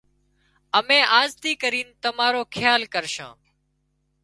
امين آز ٿي ڪرينَ تمارو کيال ڪرشان